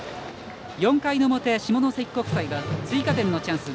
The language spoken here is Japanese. ４回の表、下関国際は追加点のチャンス。